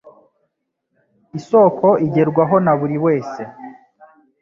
Isoko igerwaho na buri wese.